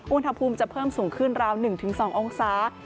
อุณหภูมิจะเพิ่มสูงขึ้นราว๑๒องศา